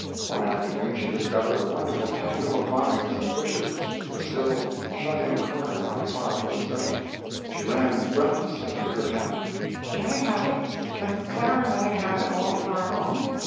One afternoon she discovered a wonderful tangle of vines and bushes, a still, shut in corner not far from the study. She ran breathlessly to her aunt. "Can I have it can Clara and I have it all for our own?"